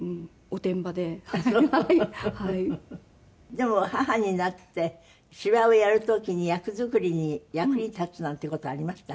でも母になって芝居をやる時に役作りに役に立つなんていう事ありました？